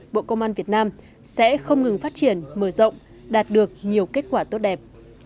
bộ công an việt nam sẽ không ngừng phát triển mở rộng đạt được nhiều kết quả tốt đẹp